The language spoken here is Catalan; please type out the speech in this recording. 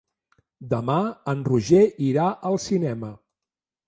Demà en Roger irà al cinema.